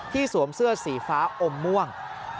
สวมเสื้อสีฟ้าอมม่วง